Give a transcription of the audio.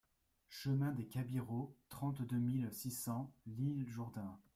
Chemin des Cabirots, trente-deux mille six cents L'Isle-Jourdain